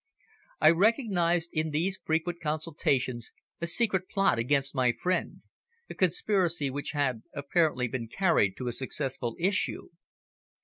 I recognised in these frequent consultations a secret plot against my friend, a conspiracy which had apparently been carried to a successful issue.